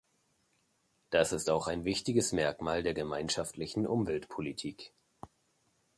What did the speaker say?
Das ist auch ein wichtiges Merkmal der gemeinschaftlichen Umweltpolitik.